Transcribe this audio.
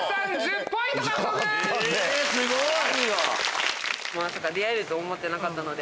すごい！